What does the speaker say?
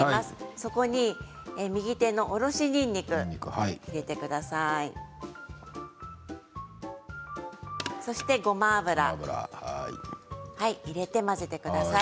そこに右手のおろしにんにくを入れてください。